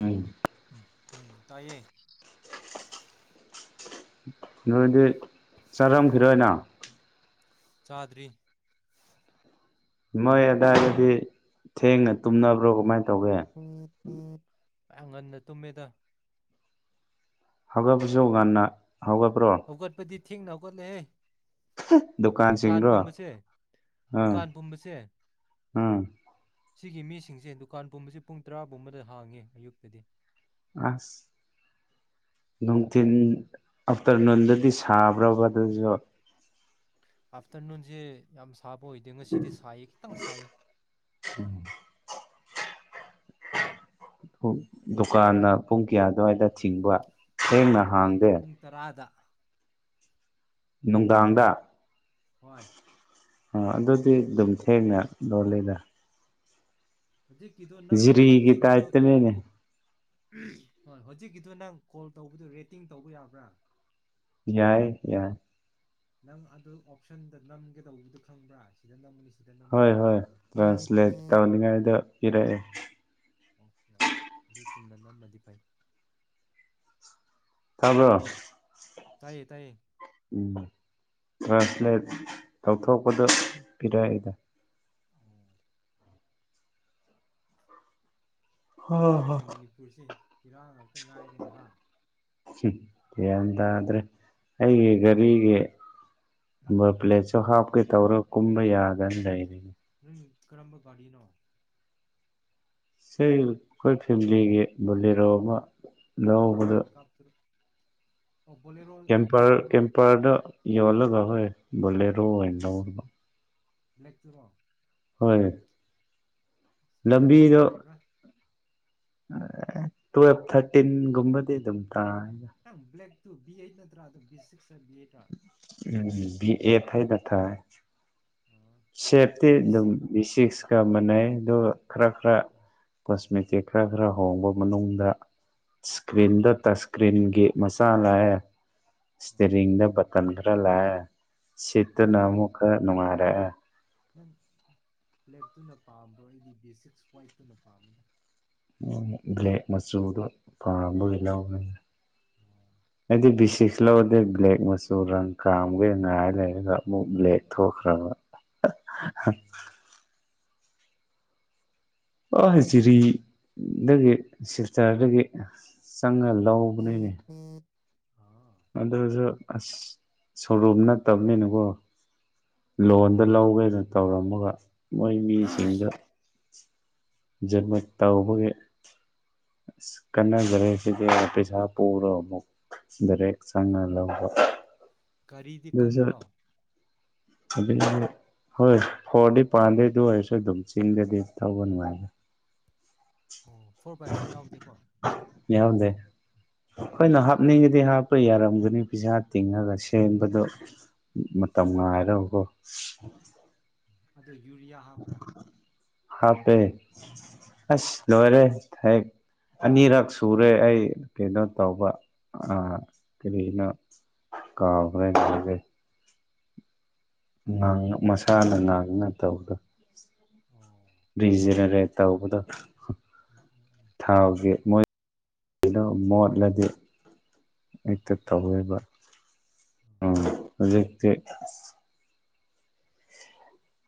ꯎꯝ ꯝ ꯎꯝ ꯇꯥꯏꯌꯦ ꯅꯣꯏꯗꯤ ꯆꯔꯝ ꯈꯔꯣꯏꯅ ꯆꯥꯗ꯭ꯔꯤ ꯃꯣꯏ ꯑꯗꯥꯗꯗꯤ ꯊꯦꯡꯅ ꯇꯨꯝꯅꯕ꯭ꯔꯣ ꯀꯃꯥꯏꯅ ꯇꯧꯒꯦ ꯎꯝ ꯍ ꯑ ꯉꯟꯅ ꯇꯨꯝꯃꯦꯗ ꯍꯧꯒꯠꯄꯁꯨ ꯉꯅ ꯍꯧꯒꯠ ꯄ꯭ꯔꯣ ꯊꯦꯡꯅꯕꯒꯠꯂꯦꯍꯩ ꯗꯨꯀꯥꯟꯁꯤꯡꯗꯣ ꯑꯝ ꯗꯨꯀꯥꯟ ꯄꯨꯝꯕꯁꯦ ꯎꯝ ꯁꯤꯒꯤ ꯃꯤꯁꯤꯡꯁꯦ ꯗꯨꯀꯥꯟ ꯄꯨꯝꯕꯁꯤꯦ ꯄꯨꯡ ꯇꯔꯥ ꯄꯨꯝꯕꯗ ꯍꯥꯡꯉꯦ ꯑꯌꯨꯛꯇꯗꯤ ꯑꯁ ꯅꯨꯡꯊꯤꯟ ꯑꯐꯇꯔ ꯅꯨꯅꯨꯡꯟꯗꯗꯤ ꯁꯥꯕ꯭ꯔꯕ ꯑꯗꯨꯁꯨ ꯑꯐꯇꯔꯅꯨꯟꯦ ꯁꯥꯕ ꯑꯣꯏꯗꯦ ꯉꯁꯤꯗꯤ ꯁꯥꯏꯌꯦ ꯈꯤꯇꯪ ꯁꯥꯏꯌꯦ ꯗꯨꯀꯥꯟꯅ ꯄꯨꯡ ꯀꯌꯥ ꯑꯗꯨꯋꯥꯏꯗ ꯊꯤꯡꯕ ꯊꯦꯡꯅ ꯗꯨꯀꯥꯟꯅ ꯍꯥꯡꯗꯦ ꯄꯨꯡ ꯇꯔꯥꯗ ꯅꯨꯡꯗꯥꯡꯗ ꯍꯣꯏ ꯑ ꯑꯗꯨꯗꯤ ꯑꯗꯨꯝ ꯊꯦꯡꯅ ꯂꯣꯜꯂꯤꯗ ꯍꯧꯖꯤꯛꯀꯤꯗꯣ ꯅꯪ ꯖꯤꯔꯤꯒ ꯍꯧꯖꯤꯛꯀꯤꯗꯣ ꯇꯥꯏꯠꯇꯅꯦꯅꯦ ꯍꯣꯏ ꯍꯧꯖꯤꯛꯀꯤꯗꯨ ꯅꯪ ꯀꯣꯜ ꯇꯧꯕꯗꯨ ꯔꯦꯇꯤꯡ ꯇꯧꯕ ꯌꯥꯕ꯭ꯔꯥ ꯌꯥꯏ ꯌꯥꯏ [inaudible] ꯍꯣꯏ ꯍꯣꯏ ꯍꯥꯏꯕꯗꯣ ꯇ꯭ꯔꯥꯟꯁꯂꯦꯠ ꯇꯧꯅꯤꯉꯥꯏꯗ ꯏꯤꯔꯛꯑꯦ ꯑꯣꯀꯦ ꯑꯣꯦ ꯑꯗꯨ ꯆꯨꯝꯅ ꯅꯃꯗꯤ ꯐꯩ ꯊꯕꯣ ꯇꯥꯏꯌꯦ ꯇꯥꯏꯌꯦ ꯇ꯭ꯔꯥꯟꯁꯂꯦꯠ ꯇꯧꯊꯣꯛꯄꯗ ꯄꯤꯔꯥꯗ ꯑꯣ ꯍ ꯈꯪꯗ꯭ꯔꯦꯅꯦ ꯃꯅꯤꯄꯨꯔꯁꯤꯦ ꯏꯔꯥꯡ ꯉꯥꯏꯔꯦꯅꯦ ꯍꯥ ꯁꯤ ꯀ ꯌꯥꯗ꯭ꯔꯦ ꯑꯩꯒꯤ ꯒꯥꯔꯤꯒꯤ ꯅꯝꯕꯔ ꯄ꯭ꯂꯦꯠꯁꯨ ꯍꯥꯞꯀꯦ ꯇꯧꯔꯣ ꯀꯨꯝꯕ ꯌꯥꯗꯅ ꯂꯩꯔꯤꯅꯤ ꯅꯪ ꯀꯔꯝꯕ ꯀꯅꯣ ꯁꯤ ꯑꯩꯈꯣꯏ ꯐꯦꯃꯤꯂꯤꯒꯤ ꯨꯂꯤꯔꯣ ꯑꯃ ꯑꯣ ꯌꯥꯎꯕꯗ ꯄꯤꯛꯀꯞꯇꯨꯔꯣ ꯑꯣ ꯕꯣꯂꯦꯔꯣ ꯀꯦꯝꯄꯔ ꯕ꯭ꯂꯦꯛꯇꯨꯔꯣ ꯀꯦꯝꯄꯔꯗ ꯌꯣꯜꯂꯒ ꯍꯣꯏ ꯕꯂꯦꯔꯣ ꯑꯦꯔ ꯂꯂ ꯇꯔꯣ ꯍꯣꯏ ꯕ꯭ꯂꯦꯛꯛꯇꯨ ꯀꯌꯥ ꯂꯝꯕꯤꯗꯣ ꯄꯤꯕ꯭ꯔꯥ ꯇꯨꯋꯦꯜꯞ ꯊꯥꯔꯇꯤꯟꯒꯨꯝꯕꯗꯤ ꯑꯗꯨꯝ ꯇꯥꯏ ꯭ꯂꯦꯛ ꯇꯨ ꯕꯤ ꯑꯦꯗ ꯅꯠꯇ꯭ꯔꯥ ꯑꯗꯨ ꯛꯁ ꯕꯤ ꯎꯝ ꯑꯦ ꯊꯩꯗ ꯊ ꯑꯣ ꯁꯦꯞꯇꯤ ꯕꯤ ꯑꯗꯨꯝ ꯁꯤꯛꯁ ꯕꯤꯁꯤꯁꯀ ꯁꯥꯟꯅꯩꯗꯨ ꯈꯔ ꯈꯔ ꯀꯣꯁꯃꯦꯇꯤꯛ ꯈꯔ ꯈꯔ ꯍꯣꯡꯕ ꯃꯅꯨꯡꯗ ꯑꯣ ꯏꯁꯀ꯭ꯔꯤꯟꯗ ꯇꯁ ꯏꯁꯀ꯭ꯔꯤꯟꯒꯤ ꯃꯆꯥ ꯂꯥꯛꯑꯦ ꯑꯣ ꯏꯁꯇꯔꯤꯡꯗ ꯕꯇꯟ ꯈꯔ ꯂꯥꯛꯑꯦ ꯎꯝ ꯁꯤꯠꯇꯨꯅ ꯑꯃꯨꯛ ꯈꯔ ꯅꯨꯡꯉꯥꯏꯔꯛꯑꯦ ꯅꯪ ꯕ꯭ꯂꯦꯛꯇꯨꯅ ꯄꯥꯝꯕ꯭ꯔꯣ ꯑꯩꯗꯤ ꯕꯦꯁꯤꯛꯁ ꯋꯥꯋꯥꯏꯠꯇꯨꯅ ꯄꯥꯝꯃꯤꯅ ꯎꯝ꯭ꯂ ꯃꯁꯨꯗ ꯄꯥꯝꯕ ꯑꯩꯗꯤ ꯕꯤꯁꯤꯛꯁ ꯂꯧꯔꯗꯦ ꯕ꯭ꯂꯦꯛ ꯃꯆꯨ ꯔꯪ ꯀꯥꯝꯒꯩ ꯉꯥꯏ ꯂꯩꯔꯒ ꯑꯃꯨꯛ ꯕ꯭ꯂꯦꯛ ꯊꯣꯛꯈ꯭ꯔꯕ ꯑꯣ ꯍꯖꯤꯔꯤꯗꯒꯤ ꯁꯤꯜꯆꯔꯗꯒꯤ ꯆꯪꯍꯜꯂ ꯍꯝ ꯎꯝ ꯑꯥ ꯑꯗꯨꯁꯨ ꯑꯁ ꯁꯣꯔꯨꯝ ꯅꯠꯇꯕꯅꯤꯅꯀꯣ ꯑꯣ ꯂꯣꯟꯗ ꯂꯧꯒꯦꯅ ꯇꯧꯔꯝꯃꯒ ꯃꯣꯏ ꯃꯤꯁꯤꯡꯗꯖ ꯇꯧꯕꯒꯤ ꯀꯥꯟꯖꯔꯦ ꯁꯤꯗꯤ ꯄꯩꯁꯥ ꯄꯨꯔꯒ ꯑꯃꯨꯛ ꯗꯥꯏꯔꯦꯛ ꯆꯪꯅ ꯂꯧꯕ ꯀꯔꯤꯗꯤ ꯀꯟꯕ꯭ꯔꯣ ꯑꯗꯨ ꯍꯣꯏ ꯐꯣꯔꯗꯤ ꯄꯥꯟꯗꯩꯗ ꯑꯣꯏꯔꯁꯨ ꯑꯗꯨꯝ ꯆꯤꯡꯗꯗꯤ ꯊꯧꯕ ꯅꯨꯡꯉꯥꯏꯅ ꯑꯣ ꯐꯣꯔ ꯕꯥꯏ ꯐꯣꯔ ꯌꯥꯎꯗꯦꯀꯣ ꯌꯥꯎꯗꯦ ꯍꯈꯣꯏꯅꯍꯥꯛ ꯅꯤꯡꯉꯗꯤ ꯍꯥꯞꯄ ꯌꯥꯔꯝꯒꯅꯤ ꯄꯩꯁꯥ ꯇꯤꯡꯉꯒ ꯁꯦꯝꯕꯗꯣ ꯃꯇꯝ ꯉꯥꯏꯔꯀꯣ ꯑꯗꯨꯣ ꯌꯨꯔꯤꯌꯥ ꯍꯥꯞꯄ꯭ꯔꯥ ꯍꯥꯞꯄꯦ ꯑꯁ ꯂꯣꯏꯔꯦ ꯍꯦꯛ ꯑꯅꯤꯔꯛ ꯁꯨꯔꯦ ꯑꯩ ꯀꯩꯅꯣ ꯇꯧꯕ ꯀꯔꯤꯅꯣ ꯀꯥꯎꯈ꯭ꯔꯦ ꯂꯣꯏꯔꯦ ꯥꯡ ꯃꯁꯥꯅ ꯉꯥꯡꯅ ꯇꯧꯔ ꯑꯣ ꯔꯤꯖꯔ ꯇ ꯍꯕꯗ ꯎꯝ ꯎꯝ ꯎꯝ ꯊꯥꯎꯁꯦ ꯃꯣꯏ ꯀꯩꯅꯣ ꯃꯣꯠꯂꯗꯤꯦ ꯍꯦꯛꯇ ꯀꯥꯔꯄꯦꯇꯔꯗꯣ ꯇꯧꯋꯕ ꯎꯝ ꯍꯧꯖꯤꯛ ꯇ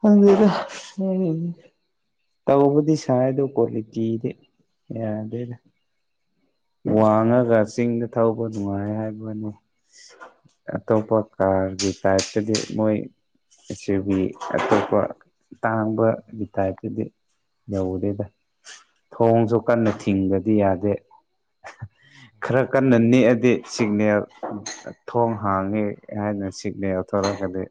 ꯑꯗꯨꯗ ꯇꯧꯕꯕꯨꯗꯤ ꯁꯥꯏꯗꯣ ꯀꯂ ꯀꯗꯤꯦ ꯌꯥꯗꯗ ꯋꯥꯡꯉꯒ ꯆꯤꯡꯗ ꯊꯧꯕ ꯅꯨꯡꯉꯥꯏ ꯍꯥꯏꯕꯅꯤ ꯑꯇꯣꯞꯄ ꯀꯥꯔꯒꯤ ꯇꯥꯏꯞꯇꯗꯤ ꯃꯣꯏ ꯑꯦ ꯕꯤ ꯑꯇꯣꯞꯄ ꯇꯥꯡꯕꯒꯤ ꯇꯥꯏꯞꯇꯗꯤ ꯌꯧꯗꯦꯗ ꯊꯣꯡꯁꯨ ꯀꯟꯅ ꯊꯤꯡꯕꯗꯤ ꯌꯥꯗꯦ [unintelligible] ꯑꯣ ꯈꯔ ꯀꯟꯅ ꯍꯣꯏ ꯊꯣꯡꯗꯤ ꯅꯦꯛꯑꯗꯤ ꯁꯤꯒꯅꯦꯜ ꯊꯣꯡ ꯍꯥꯡꯉꯤ ꯍꯥꯏꯅ ꯁꯤꯠꯅꯦ ꯂꯧꯎꯊꯣꯔꯛꯒꯗꯤ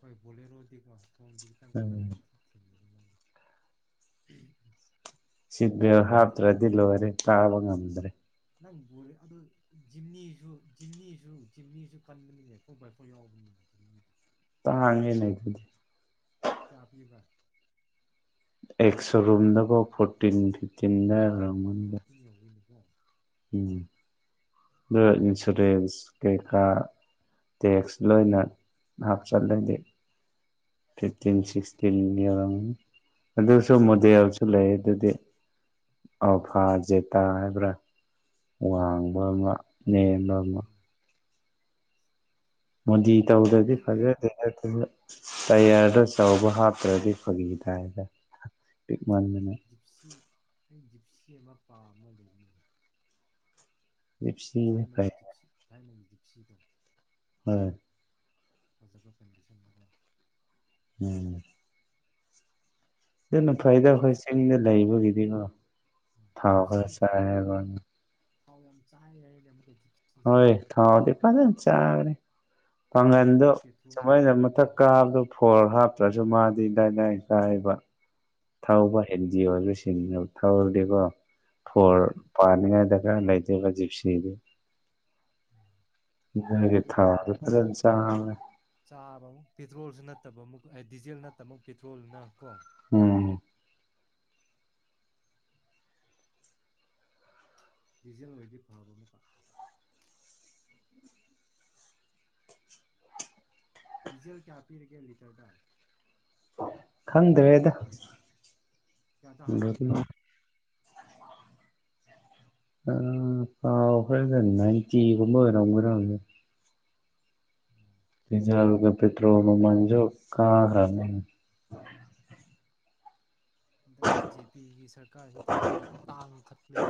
ꯍꯣꯏꯕꯨꯣꯂꯔ ꯑꯣꯗꯤꯀꯣ ꯐꯣꯡ ꯈꯤꯇꯪ ꯀꯜꯂ ꯎꯝ ꯁꯤꯄꯣ ꯍꯥꯞꯇ꯭ꯔꯗꯤ ꯂꯣꯏꯔꯦ ꯀꯥꯕ ꯉꯝꯗ꯭ꯔꯦ ꯅꯪ ꯦ ꯑꯗꯨ ꯖꯤꯝꯅꯤꯁꯨ ꯖꯤꯝꯅꯤꯁꯨ ꯖꯤꯝꯅꯤꯁꯨ ꯀꯟꯕꯅꯤꯅꯦ ꯐꯣꯔ ꯕꯥꯏ ꯐꯣꯔ ꯌꯥꯎꯕ ꯇꯥꯡꯉꯦꯅꯦ ꯑꯗꯨꯗꯤ ꯆꯥꯄꯤꯕ ꯑꯦꯁꯣ ꯔꯨꯝ ꯗꯕ ꯐꯣꯔ ꯆꯗꯔ ꯑ ꯔꯃꯟꯗ ꯐꯣꯔꯇꯤꯟ ꯌꯧꯒꯅꯤꯀꯣ ꯎꯝ ꯏꯟꯁꯨꯔꯦꯟꯁ ꯀꯩꯀꯥ ꯇꯦꯛꯁ ꯂꯣꯏꯅ ꯍꯥꯞꯆꯜꯂꯗꯤꯦ ꯐꯤꯐꯇꯤꯟ ꯎꯝ ꯁꯤꯛꯁꯇꯤꯟ ꯌꯎꯔꯝꯅꯤ ꯑꯗꯨꯁꯨ ꯎꯝ ꯃꯣꯗꯦꯜꯁꯨ ꯂꯩ ꯑꯗꯨꯗꯤ ꯎꯝ ꯑꯜꯐꯥ ꯖꯦꯇꯥ ꯍꯥꯏꯕ꯭ꯔꯥ ꯑꯣ ꯋꯥꯡꯕ ꯑꯃ ꯅꯦꯝꯕ ꯑꯃ ꯍꯣꯏ ꯃꯣꯗꯤ ꯇꯧꯗ꯭ꯔꯗꯤ ꯐꯖꯦ ꯑꯗꯨ ꯇꯌꯥꯔꯗ ꯑꯆꯧꯕ ꯍꯥꯞꯇ꯭ꯔꯗꯤ ꯐꯒꯤꯗꯥꯥꯏꯅ ꯃꯥꯡꯗꯅ ꯖꯤꯞꯁꯤ ꯑꯩ ꯖꯤꯞꯁꯤ ꯑꯃ ꯄꯥ ꯑꯃ ꯂꯩꯃꯤ ꯖꯤꯞꯁꯤꯅ ꯊꯥꯏꯅꯒꯤ ꯐꯩ ꯇꯤꯞꯁꯤ ꯊꯥꯏꯅꯒꯤ ꯞꯁꯤꯗꯣꯡ ꯍꯝ ꯐꯖꯕ ꯀꯟꯗꯤꯁꯟꯗꯣ ꯎꯝ ꯑꯗꯨꯅ ꯑꯗꯨ ꯐꯩꯗ ꯑꯩꯈꯣꯏ ꯖꯤꯞꯁꯤ ꯆꯤꯡꯗ ꯂꯩꯕꯒꯤꯗꯤꯀꯣ ꯍꯣꯏ ꯊꯥꯎ ꯈꯔ ꯆꯥꯏꯕꯅ ꯍꯥꯎ ꯌꯥꯝ ꯆꯍꯥꯏꯦ ꯍꯥꯏ ꯑꯃꯛ ꯀꯩꯦ ꯍꯣꯏ ꯊꯥꯎꯗꯤꯄꯗ ꯆꯔꯦ ꯑꯗꯨꯒ ꯄꯥꯡꯒꯟꯗꯣ ꯑꯃꯨꯛ ꯄꯦꯇ꯭ꯔꯣꯜ ꯁꯃꯥꯏꯅ ꯃꯊꯛ ꯎꯝ ꯀꯥꯕꯗꯣ ꯐꯣꯣꯔ ꯍꯥꯞꯇ꯭ꯔꯁꯨ ꯖꯃꯥꯗꯤꯗꯥꯏ ꯀꯥꯏꯕ ꯊꯧꯕ ꯎꯝ ꯑꯦꯟ ꯖꯤ ꯑꯣꯏꯕꯁꯤꯡꯅꯦꯕ ꯊꯧꯔꯗꯤꯀꯣ ꯐꯣꯔ ꯎꯝ ꯄꯥꯅꯤꯉꯥꯏ ꯗꯔꯀꯥꯔ ꯂꯩꯇꯣꯏꯕ ꯖꯤꯞꯁꯤꯗꯤ ꯎꯝ ꯃꯣꯏꯒꯤ ꯑꯗꯨ ꯊꯥꯎꯗꯣ ꯊꯥꯎꯗꯤ ꯐꯖꯅ ꯆꯥꯕꯅꯦ ꯆꯥꯕ ꯑꯃꯛ ꯄꯦꯇ꯭ꯔꯣꯜꯁꯨ ꯅꯠꯇꯕ ꯑꯃꯨꯛ ꯗꯤꯖꯜꯅ ꯇꯠꯇꯕ ꯄꯦꯇ꯭ꯔꯣꯜꯅ ꯀꯣ ꯎꯝ ꯗꯤꯖꯦꯜ ꯑꯣꯏꯗꯤ ꯐꯕ ꯑꯃꯨꯀꯛ ꯗꯤꯖꯦꯜ ꯀꯌꯥ ꯄꯤꯔꯒꯦ ꯂꯤꯇꯔꯗꯥ ꯈꯪꯗꯥꯔꯦꯗ ꯀꯌꯥꯗ ꯍꯥꯟꯒꯦ ꯅꯪ ꯑ ꯀꯥꯎꯈꯔꯦꯗ ꯅꯥꯏꯟꯇꯤ ꯒꯨꯝꯕ ꯑꯣꯏꯔꯝꯒꯗꯔꯥ ꯈꯪꯗꯦ ꯄꯤꯖ ꯀ [unintelligible] ꯄꯦꯇꯔꯣꯜ ꯃꯃꯟꯖꯨ ꯀꯥꯈꯔꯕꯅꯤ ꯍꯟꯗꯛ ꯕꯤ ꯖꯦ ꯄꯤꯒꯤ ꯁꯔꯀꯥꯔꯁꯤ ꯊꯥꯎꯗꯤ ꯐꯖꯅ ꯇꯥꯡꯅꯈꯠꯂꯦ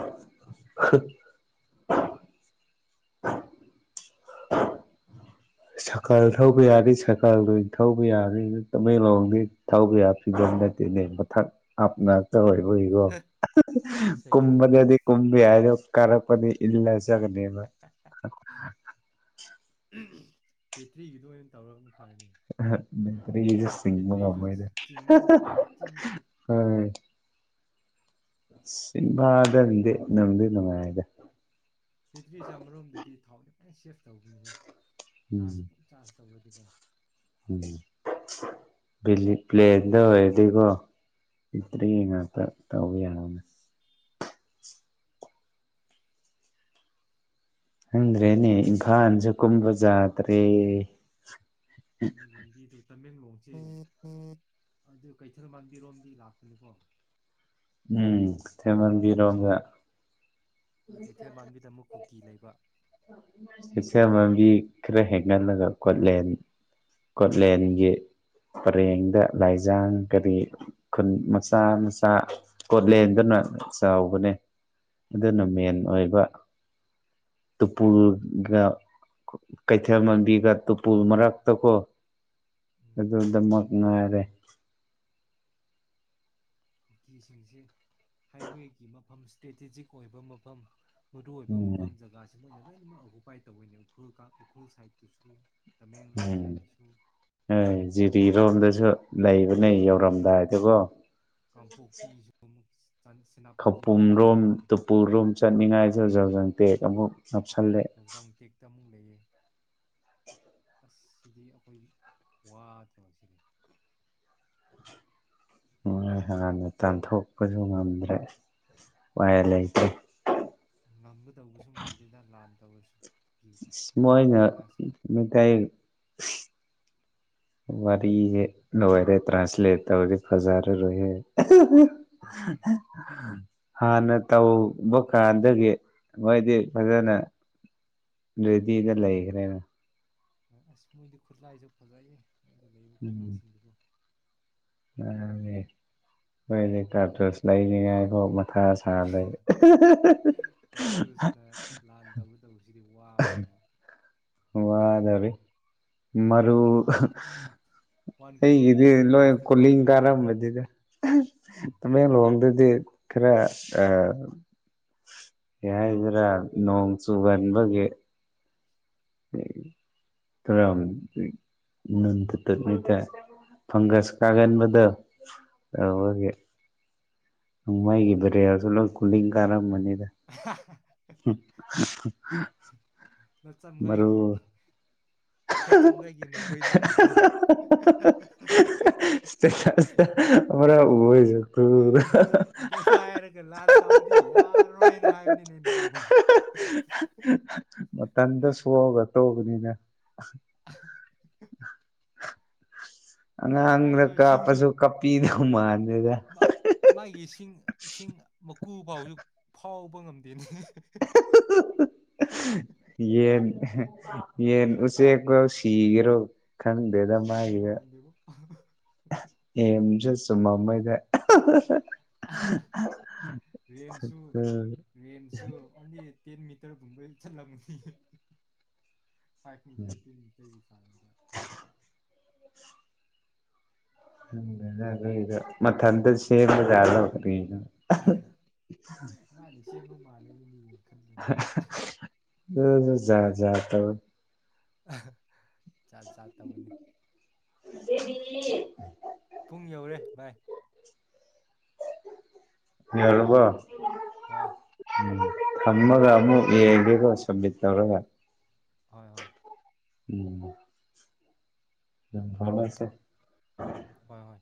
ꯁꯔꯀꯥꯔ ꯊꯧꯕ ꯌꯥꯔꯗꯤ ꯁꯔꯀꯥꯔ ꯂꯣꯏ ꯊꯧꯕ ꯌꯥꯅꯤ ꯇꯃꯦ ꯂꯣꯡꯗꯤ ꯊꯧꯕ ꯌꯥ ꯗꯔꯤꯕ ꯍꯟꯗꯛꯇꯤꯅꯦ ꯅ ꯃꯊꯛ ꯑꯞ ꯉꯥꯛꯇ ꯑꯣꯏꯔꯦ ꯑꯣꯏꯕꯣ ꯁꯥꯏꯀꯜ ꯀꯨꯝꯕꯗꯗꯤ ꯀꯨꯝꯕ ꯌꯥꯏꯔꯣ ꯀꯔꯄꯗꯤ ꯏꯂꯥꯒ ꯆꯠꯀꯅꯤꯕ ꯕꯦꯇ꯭ꯔꯤꯒꯤꯗꯣ ꯑꯣꯏꯅ ꯇꯧꯔꯒꯅ ꯅꯠꯇ ꯁꯤ ꯕꯦꯇ꯭ꯔꯤꯁꯨ ꯉꯃꯣꯏꯗ ꯍ ꯆꯤꯡꯕ ꯉꯝꯃꯣꯏꯗ ꯆꯤꯡꯗꯗꯤ [unintelligible] ꯁꯤꯕꯥꯗꯗꯦ [unintelligible] ꯅꯨꯡꯗꯤ ꯅꯨꯡꯉꯥꯏꯗ ꯕꯦꯇ꯭ꯔꯤ ꯁ ꯑꯃꯔꯣꯝꯗꯗꯤ ꯊꯥꯎꯗꯤ ꯐꯖꯅ ꯁꯦꯞ ꯇꯧꯕꯅꯤ ꯍꯦ ꯎꯝ ꯆꯥꯔꯁ ꯇꯩꯔꯗꯤꯀꯣ ꯎꯝ ꯄ꯭ꯂꯦꯟꯗ ꯑꯣꯏꯔꯗꯤꯀꯣ ꯎꯝ ꯕꯦꯇ꯭ꯔꯤ ꯉꯥꯛꯇ ꯇꯧꯕ ꯌꯥꯕꯅꯦ ꯍꯡꯗꯦ ꯇꯦꯅꯦ ꯍꯦꯛ ꯏꯝꯐꯥꯜꯁꯨ ꯀꯨꯝꯕ ꯥ ꯖꯥ ꯇꯔꯦ ꯅꯪ ꯂꯝꯕꯤꯗꯨ ꯇꯃꯦꯡꯂꯣꯡꯁꯦ ꯑꯗꯨ ꯀꯩꯊꯦꯜ ꯃꯥꯟꯕꯤꯔꯣꯝꯗꯩ ꯂꯥꯛꯄꯅꯤꯀꯣ ꯎꯝ ꯀꯩꯊꯦꯜ ꯃꯥꯟꯕꯤꯔꯣꯝꯗ ꯀꯩꯊꯦꯜ ꯃꯥꯟꯕꯤꯗ ꯑꯃꯨꯛ ꯀꯨꯀꯤ ꯂꯩꯕ ꯀꯋꯦꯜ ꯃꯥꯟꯕꯤ ꯈꯔ ꯍꯦꯟꯒꯠꯂꯒ ꯀꯣꯠꯂꯦꯟ ꯀꯣꯠꯂꯦꯟꯒꯤ ꯄꯔꯦꯡꯗ ꯂꯥꯏꯖꯥꯡ ꯀꯔꯤ ꯈꯨꯟ ꯃꯆꯥ ꯃꯆꯥ ꯎꯝ ꯀꯣꯠꯂꯦꯟꯗꯨꯅ ꯆꯥꯎꯕꯅꯦ ꯑꯗꯨꯅ ꯃꯦꯟ ꯎꯝ ꯑꯣꯏꯕ ꯎꯝ ꯇꯨꯄꯨꯜꯒ ꯀꯩꯊꯦꯜ ꯃꯟꯕꯤꯒ ꯇꯨꯄꯨꯜ ꯃꯔꯛꯇꯀꯣ ꯑꯗꯨꯗꯃꯛ ꯉꯥꯏꯔꯦ ꯀꯨꯀꯤꯁꯤꯡꯁꯦ ꯍꯥꯏꯋꯦꯒꯤ ꯃꯐꯝ ꯏꯁꯇ꯭ꯔꯦꯇꯦꯖꯤꯛ ꯑꯣꯏꯕ ꯃꯐꯝ ꯃꯔꯨꯑꯣ ꯑꯣꯏꯕ ꯎꯝ ꯃꯐꯝ ꯖꯒꯥꯁꯤ ꯃꯣꯏꯅ ꯂꯣꯏꯅꯃꯛ ꯑꯣꯀꯨꯄꯥꯏ ꯇꯧꯕꯅꯦ ꯎꯈ꯭ꯔꯨꯜ ꯎꯈ꯭ꯔꯨꯜ ꯁꯥꯏꯠꯇꯁꯨ ꯇꯃꯦꯡꯂꯣꯡ ꯎꯝ ꯁꯥꯏꯠꯇꯁꯨ ꯍꯥ ꯖꯤꯔꯤꯔꯣꯝꯗꯁꯨ ꯂꯩꯕꯅꯦ ꯍꯣꯏ ꯌꯧꯔꯝꯗꯥꯏꯗ ꯀꯣ ꯀꯥꯡꯄꯣꯛꯄꯤꯁꯨ ꯑꯃꯨꯛ ꯁꯦꯅꯥꯄꯇꯤꯁꯨ ꯈꯩꯄꯨꯝ ꯌꯦꯡꯉꯨꯅꯤ ꯔꯣꯝ ꯇꯨꯄꯨ ꯔꯣꯝ ꯆꯠꯅꯤꯡꯉꯥꯏꯁꯨ [unintelligible] ꯍꯧꯖꯛꯖ ꯇꯦꯀꯁ ꯑꯃꯨꯛ ꯥꯅꯞꯁꯜꯂꯦ ꯂꯩ ꯑꯁ ꯁꯤꯗꯤ ꯑꯩꯈꯣꯏ ꯋꯥꯗ꯭ꯔꯣ ꯁꯗꯤ ꯍꯥꯟꯅ ꯇꯥꯟꯊꯣꯛꯄꯁꯨ ꯉꯝꯗ꯭ꯔꯦ ꯋꯥꯏ ꯂꯩꯇꯦ ꯇꯥꯁꯨ ꯃꯣꯏꯅ ꯃꯊꯥꯏ ꯋꯥꯔꯤꯦ ꯂꯣꯏꯔꯦ ꯇ꯭ꯔꯥꯟꯁꯂꯦꯠ ꯇꯧꯗꯤꯦ ꯐꯖꯔꯔꯣꯏꯍꯦ ꯎꯝ [unintelligible] ꯍꯥꯟꯅ ꯇꯧꯕ ꯀꯥꯟꯗꯒꯤ ꯃꯣꯏꯗꯤ ꯐꯖꯅ ꯔꯦꯗꯤꯗ ꯂꯩꯈ꯭ꯔꯦꯅ ꯑꯁ ꯃꯣꯏꯗꯤ ꯈꯔꯂꯁꯨ ꯐꯖꯥꯏꯌꯦ ꯑꯩꯗ ꯂꯩꯔꯤꯕ ꯈꯨꯠꯂꯥꯏꯁꯤꯡꯗꯨꯕꯨꯣ ꯑ ꯑꯣꯏꯣꯏ ꯀꯥ ꯌꯥꯔꯣꯏ ꯇꯁ ꯂꯅꯤ ꯊ ꯁ ꯂꯩ ꯀꯥꯔꯇꯨꯁꯅ ꯂꯥꯟ ꯇꯧꯕ ꯇꯧꯕꯁꯤꯗꯤ ꯋꯥꯒꯅꯦꯕ ꯃꯤꯗꯤ ꯋꯥꯗꯦ ꯃꯤꯗꯤ ꯃꯔꯔ ꯑꯥ ꯋꯥꯟ ꯑꯩꯒꯤꯗꯤ ꯀꯤꯂꯣꯃꯤꯇꯔꯒꯤ ꯂꯣꯏ ꯔꯦꯟꯖꯇ ꯀꯣꯂꯤꯡ ꯀꯥꯞꯄꯤꯔꯛꯀꯩꯅꯦꯕ ꯀꯥꯔꯝꯕꯗꯨꯗ ꯇꯃꯦꯡꯂꯣꯡꯗꯗꯤ ꯈꯔ ꯀꯩ ꯍꯥꯏꯗꯔꯥ ꯅꯣꯡ ꯆꯨꯒꯟꯕꯒꯤ ꯊꯔꯥ ꯅꯟ ꯊꯇ ꯐꯪꯒꯁ ꯀꯥꯒꯟꯕꯗ ꯑ ꯑꯥ ꯍꯀꯦ ꯍꯪꯥꯏꯒꯤꯕ꯭ꯔꯦ ꯌꯥ ꯁꯂꯣ ꯀꯨꯂꯤꯡ ꯈꯥꯔꯝ ꯃꯅꯤ [unintelligible] ꯂꯠ ꯆꯝꯒꯥꯏꯒꯤ ꯎꯕ꯭ꯔꯣ ꯔ ꯑꯣꯖ ꯑꯗꯨꯥꯏꯔꯒ ꯂꯥꯟ ꯇꯧꯕꯗꯤ ꯌꯥꯔꯔꯣꯏꯅ ꯍꯥꯏꯕꯅꯤꯅꯦ ꯑꯩꯅ ꯃꯥꯕꯨ ꯄꯨꯅꯤꯅ [inaudible] ꯍ [inaudible] ꯑꯉꯥꯡꯗ ꯃꯥꯏꯗꯣ ꯁꯤꯡꯁꯨ ꯀꯥꯞꯄꯁꯨ ꯀꯥꯞꯄꯤꯗꯧ ꯃꯥꯟꯗꯗ ꯏꯁꯤꯡ ꯃꯀꯨ ꯐꯥꯎ ꯍꯧꯖꯤꯛ ꯍꯥꯎꯕ ꯉꯝꯗꯦꯅꯤ ꯌꯦ ꯌꯦ ꯎꯆꯦ ꯁꯤꯒ꯭ꯔꯧ ꯈꯟꯗꯦꯗ ꯁꯤꯗꯧ ꯃꯥꯒꯤ ꯃꯥꯟꯗꯦꯕꯣ ꯁꯨꯝꯃꯃꯗ ꯔꯦꯟꯁꯨ [unintelligible] ꯔꯦꯟꯁꯨ [inaudible] ꯑꯣꯟꯂꯤ ꯇꯦꯟ ꯃꯤꯇꯔꯒꯨꯝꯕꯩ ꯆꯠꯂꯝ ꯐꯥꯏꯚ ꯃꯤꯇꯔ ꯇꯤꯟꯇꯔ ꯆ ꯃꯟꯗꯁꯤꯗ ꯑꯣꯏ ꯃꯥꯅ ꯁꯦꯝꯕ ꯃꯥꯜꯂꯦꯕ ꯃꯤꯅ ꯈꯟꯕ ꯀꯥꯟꯗ ꯑꯗꯨ ꯌꯥ ꯌꯥ ꯇ ꯑ ꯆꯥꯛ ꯆꯥ ꯇꯧꯕꯅꯤ ꯗꯦꯗꯤ ꯄꯨꯡ ꯌꯧꯔꯦ ꯕꯥꯏ ꯍꯔꯕ ꯀꯣ ꯍꯣꯏ ꯎꯝ ꯊꯃꯒꯃ ꯌꯦꯦꯒꯒ ꯁꯝꯃꯦ ꯇꯧꯔꯒ ꯍꯣꯏ ꯍꯣꯏ ꯎꯝ ꯎꯝ ꯐꯂꯁꯦ ꯍꯣꯏ ꯍꯣꯏ